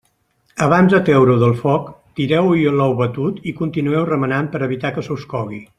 Abans de treure-ho del foc, tireu-hi l'ou batut i continueu remenant per a evitar que se us cogui.